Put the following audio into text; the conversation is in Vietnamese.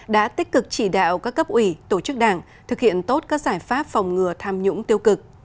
đã tích cực chỉ đạo các cấp ủy tổ chức đảng thực hiện tốt các giải pháp phòng ngừa tham nhũng tiêu cực